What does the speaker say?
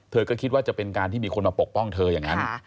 เธอก็คิดว่าจะเป็นการที่มีคนมาปกป้องเธออย่างนั้น